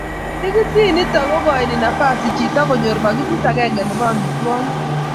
tikitit nito ko koini nafasit chito konyor pakitit agenge nebo amitwokik